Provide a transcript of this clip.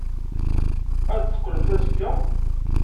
Ad d-teqqlemt azekka?